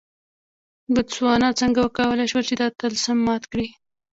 بوتسوانا څنګه وکولای شول چې دا طلسم مات کړي.